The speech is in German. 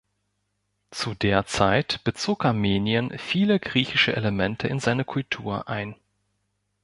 Zu der Zeit bezog Armenien viele griechische Elemente in seine Kultur ein.